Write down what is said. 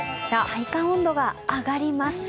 体感温度が上がります。